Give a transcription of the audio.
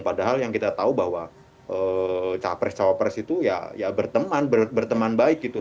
padahal yang kita tahu bahwa capres cawapres itu ya berteman berteman baik gitu